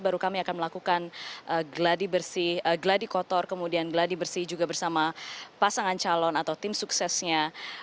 baru kami akan melakukan gladi kotor kemudian geladi bersih juga bersama pasangan calon atau tim suksesnya